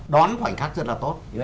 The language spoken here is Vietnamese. đón khoảnh khắc rất là tốt